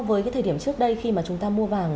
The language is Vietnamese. với cái thời điểm trước đây khi mà chúng ta mua vàng